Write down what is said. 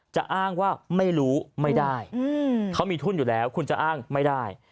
จะอ้างว่าไม่รู้ไม่ได้เขามีทุนอยู่แล้วคุณจะอ้างไม่ได้